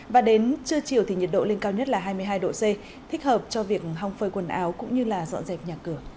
và đến trưa chiều thì nhiệt độ lên cao nhất là hai mươi hai độ c thích hợp cho việc hong phơi quần áo cũng như là dọn dẹp nhà cửa